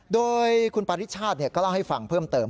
โดยคุณปาริชาติก็เล่าให้ฟังเพิ่มเติม